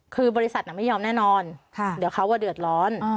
คือบริษัทไม่ยอมแน่นอนเดี๋ยวเขาเดือดร้อน